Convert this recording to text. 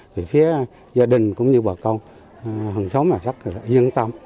về phía gia đình cũng như bà con hành xóm rất là yên tâm